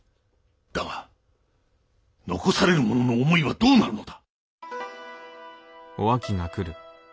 だが残される者の思いはどうなるのだ？